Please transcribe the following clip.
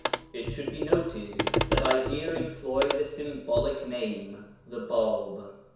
It should be noted that I here employ the symbolic name 'the Bāb.'